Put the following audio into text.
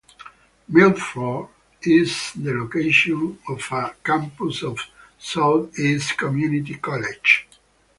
Milford is the location of a campus of Southeast Community College.